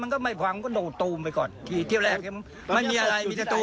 มันก็ไม่ฟังมึงก็โดดตู้มันไปก่อนที่เที่ยวแรกมันมีอะไรมีแต่ตัว